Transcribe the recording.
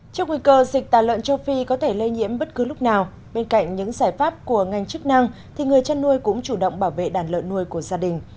trước nguy cơ dịch tà lợn châu phi có thể lây nhiễm bất cứ lúc nào bên cạnh những giải pháp của ngành chức năng thì người chăn nuôi cũng chủ động bảo vệ đàn lợn nuôi của gia đình